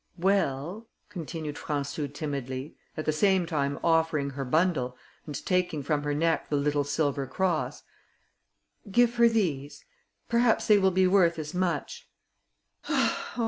"Well," continued Françou timidly, at the same time offering her bundle, and taking from her neck the little silver cross; "give her these, perhaps they will be worth as much." "Oh!